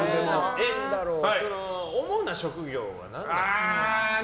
主な職業は何ですか。